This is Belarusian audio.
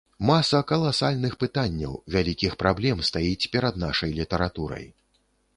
Маса каласальных пытанняў, вялікіх праблем стаіць перад нашай літаратурай.